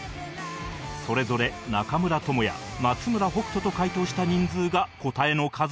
それぞれ「中村倫也」「松村北斗」と回答した人数が答えの数となる